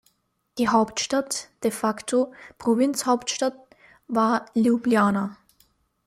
Die Hauptstadt, "de facto" Provinzhauptstadt, war Ljubljana.